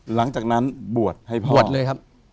หลังจากนั้นบวชให้พ่อบวชเลยครับ